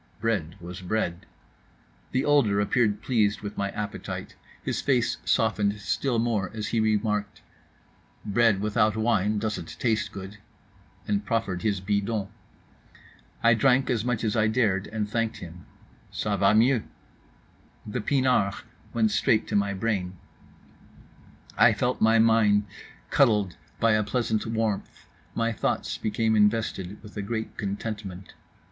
Bread was bread. The older appeared pleased with my appetite; his face softened still more, as he remarked: "Bread without wine doesn't taste good," and proffered his bidon. I drank as much as I dared, and thanked him: "Ça va mieux." The pinard went straight to my brain, I felt my mind cuddled by a pleasant warmth, my thoughts became invested with a great contentment.